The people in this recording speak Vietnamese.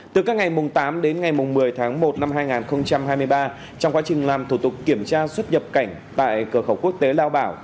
từ các ngày tám đến ngày một mươi tháng một năm hai nghìn hai mươi ba trong quá trình làm thủ tục kiểm tra xuất nhập cảnh tại cửa khẩu quốc tế lao bảo